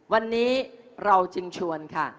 วันนี้เราจึงชวนค่ะ